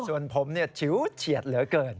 ส่วนผมชิวเฉียดเหลือเกิน